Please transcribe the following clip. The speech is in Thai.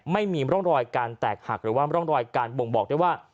ไม่มีร่องรอยการแตกหักหรือว่าร่องรอยการบ่งบอกได้ว่า